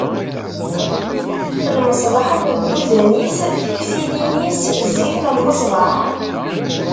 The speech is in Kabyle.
lmeṣbaḥ akked dduzan-is, tiftilin-is, zzit n lmeṣbaḥ.